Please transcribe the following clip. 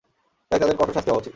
তাই তাদের কঠোর শাস্তি হওয়া উচিত।